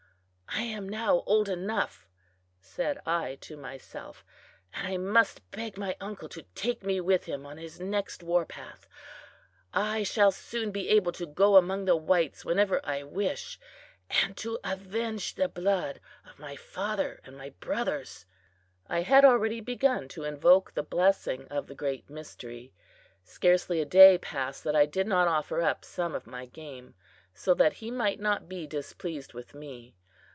"I am now old enough," said I to myself, "and I must beg my uncle to take me with him on his next war path. I shall soon be able to go among the whites whenever I wish, and to avenge the blood of my father and my brothers." I had already begun to invoke the blessing of the Great Mystery. Scarcely a day passed that I did not offer up some of my game, so that he might not be displeased with me.